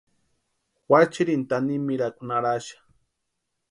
Juachiarini tanimirhakwa naraxa.